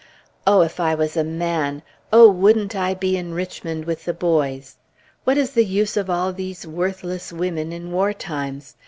If I was a man oh, wouldn't I be in Richmond with the boys!... What is the use of all these worthless women, in war times?